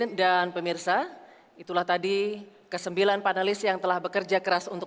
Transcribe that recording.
hai baik hadirin dan pemirsa itulah tadi ke sembilan panelis yang telah bekerja keras untuk